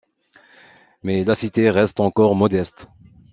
Mais la cité reste encore modeste.